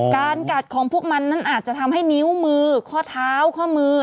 การกัดของพวกมันนั้นอาจจะทำให้นิ้วมือข้อเท้าข้อมือ